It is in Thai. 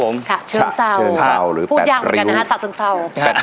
พูดยางเหมือนกันนะคะชะซึงเสา